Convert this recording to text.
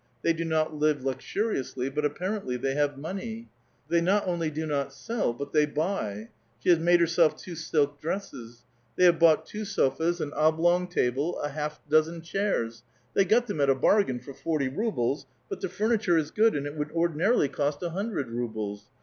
They do not live luxuriously ; but apparently I they have money. Tliey not only do not sell ; but the^ buy. She has made herself two silk dresses. They have bougbt two sofas, an oblong table, a half a dozen chairs, — the}' got them at a bai*gain, for forty rubles ; but tiie furniture is good, and it would ordinarily cost a hundred rubles.